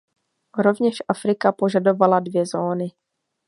Rovněž Afrika požadovala dvě zóny.